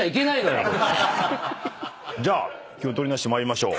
じゃあ気を取り直して参りましょう。